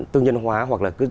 tương nhân hóa hoặc là cứ